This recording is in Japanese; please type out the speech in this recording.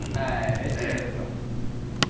めっちゃ見えるんですよ。